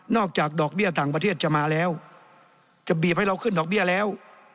อกจากดอกเบี้ยต่างประเทศจะมาแล้วจะบีบให้เราขึ้นดอกเบี้ยแล้ว